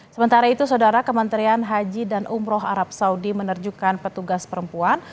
sementara itu saudara kementerian haji dan umroh arab saudi menerjukan petugas perempuan